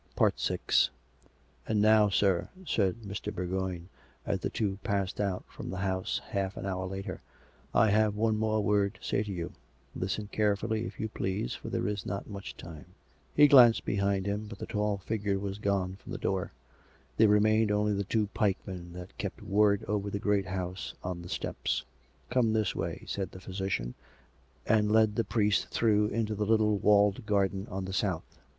VI " And now, sir," said Mr. Bourgoign, as the two passed out from the house half an hour later, " I have one more word to say to you. Listen carefully, if you please, for there is not much time." He glanced behind him, but the tall figure was gone from the door; there remained only the two pikcmcn that kept ward over the great house on the steps. " Come this way," said the physician, and led the priest through into the little walled garden on the south.